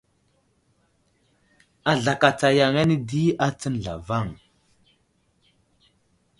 Azlakatsa yaŋ ane di atsən zlavaŋ.